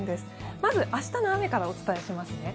まず、明日の雨からお伝えしますね。